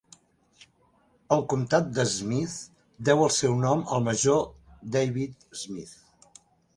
El comtat d'Smith deu el seu nom al major David Smith.